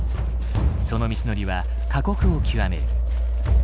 その道のりは過酷を極める。